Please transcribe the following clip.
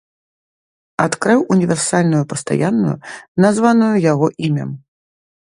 Адкрыў універсальную пастаянную, названую яго імем.